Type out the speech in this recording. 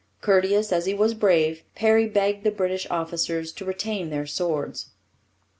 Courteous as he was brave, Perry begged the British officers to retain their swords.